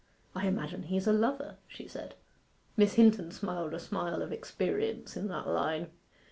'I imagine he's a lover,' she said. Miss Hinton smiled a smile of experience in that line.